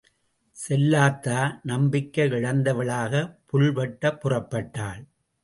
செல்லாத்தா, நம்பிக்கை இழந்தவளாக புல்வெட்டப் புறப்பட்டாள்.